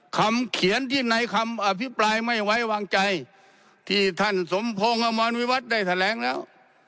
คำเขียนที่ในคำอภิปรายไม่ไว้วางใจที่ท่านสมพงศ์อมรวิวัตรได้แถลงแล้ว